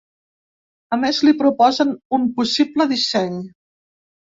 A més, li proposen un possible disseny.